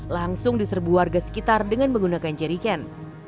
langsung diserbu warga sekitar dengan menggunakan jerrycan